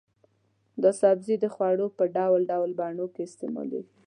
دا سبزی د خوړو په ډول ډول بڼو کې استعمالېږي.